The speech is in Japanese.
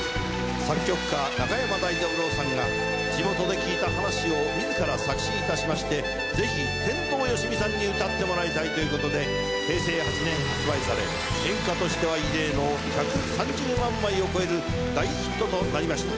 作曲家中山大三郎さんが地元で聞いた話を自ら作詞いたしましてぜひ天童よしみさんに歌ってもらいたいということで平成８年発売され演歌としては異例の１３０万枚を超える大ヒットとなりました。